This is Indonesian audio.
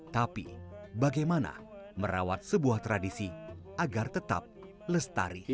tapi bagaimana merawat sebuah tradisi agar tetap lestari